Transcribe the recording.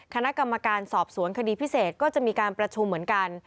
คณะกรรมการสอบสวนคดีพิเศษก็จะมีการประชุมเหมือนกัน